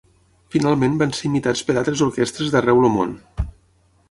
Finalment van ser imitats per altres orquestres d'arreu el món.